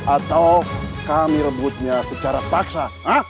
atau kami rebutnya secara paksa